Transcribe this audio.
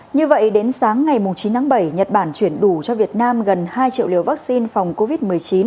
như vậy đến sáng ngày chín tháng bảy nhật bản chuyển đủ cho việt nam gần hai triệu liều vaccine phòng covid một mươi chín